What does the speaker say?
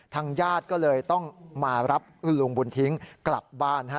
ทางญาติก็เลยต้องมารับคุณลุงบุญทิ้งกลับบ้าน